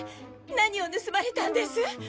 何を盗まれたんです？